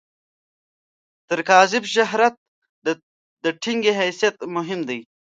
تر کاذب شهرت، د ټنګي حیثیت مهم دی.